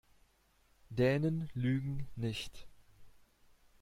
Dänen lügen nicht.